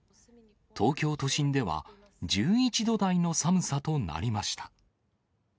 東京都心では１１度台の寒さとなりました。